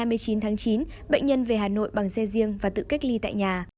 bệnh nhân về hà nội bằng xe riêng và tự cách ly tại nhà